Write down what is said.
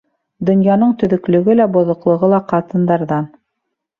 Донъяның төҙөклөгө лә, боҙоҡлоғо ла ҡатындарҙан.